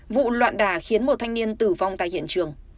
vụ loạn đả khiến một thanh niên tử vong tại hiện trường